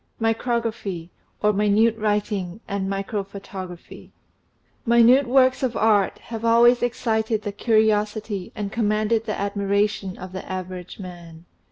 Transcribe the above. MICROGRAPHY OR MINUTE WRITING AND MICROPHOTOGRAPHY INUTE works of art have always excited the curiosity and commanded the admiration of the average man.